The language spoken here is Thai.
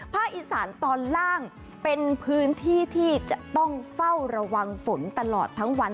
อีสานตอนล่างเป็นพื้นที่ที่จะต้องเฝ้าระวังฝนตลอดทั้งวัน